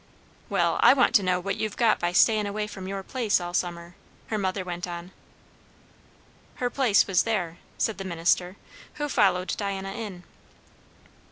"Well, I want to know what you've got by stayin' away from your place all summer" her mother went on. "Her place was there," said the minister, who followed Diana in.